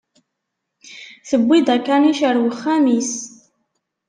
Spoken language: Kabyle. Tewwi-d akanic ar wexxam-is.